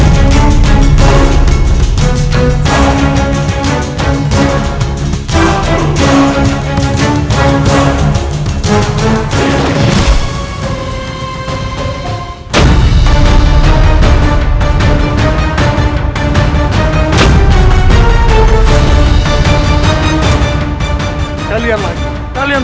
dia mengarah kita untuk membuat kesajin